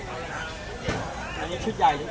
สวัสดีทุกคน